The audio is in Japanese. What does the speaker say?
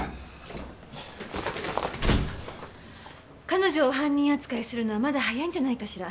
彼女を犯人扱いするのはまだ早いんじゃないかしら。